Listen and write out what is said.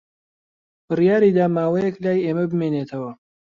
بڕیاری دا ماوەیەک لای ئێمە بمێنێتەوە.